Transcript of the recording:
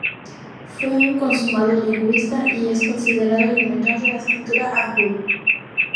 Fue un consumado lingüista y es considerado el inventor de la escritura hangul.